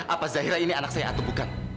apa zahira ini anak saya atau bukan